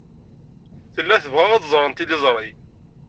Tella tebɣa ad ẓren tiliẓri.